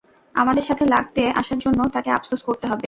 আমাদের সাথে লাগতে আসার জন্য তাকে আফসোস করতে হবে!